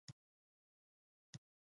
ابن بطوطه له پنجشیر څخه نورستان ته تللی.